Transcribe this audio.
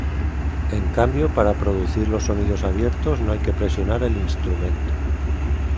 En cambio para producir los sonidos abiertos no hay que presionar el instrumento.